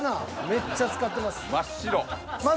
めっちゃ使ってます。